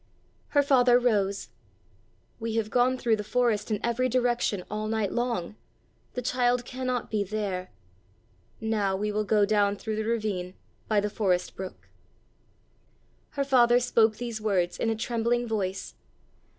Her father rose. "We have gone through the forest in every direction all night long; the child cannot be there. Now we will go down through the ravine by the forest brook." Her father spoke these words in a trembling voice.